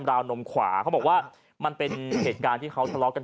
วนมขวาเขาบอกว่ามันเป็นเหตุการณ์ที่เขาทะเลาะกัน